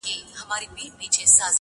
خوله یې وازه کړه آواز ته سمدلاسه-